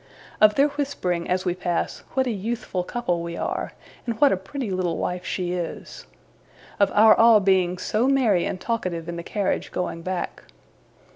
Of their whispering, as we pass, what a youthful couple we are, and what a pretty little wife she is. Of our all being so merry and talkative in the carriage going back.